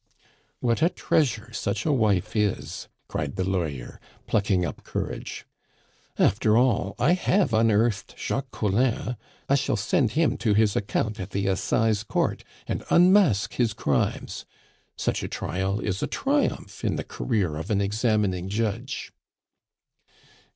"What a treasure such a wife is!" cried the lawyer, plucking up courage. "After all, I have unearthed Jacques Collin; I shall send him to his account at the Assize Court and unmask his crimes. Such a trial is a triumph in the career of an examining judge!"